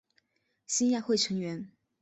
兴亚会成员。